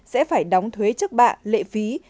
sẽ phải đóng thuế chức bạ lệ phí